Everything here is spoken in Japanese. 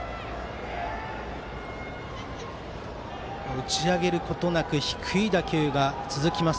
打ち上げることなく低い打球が続きます。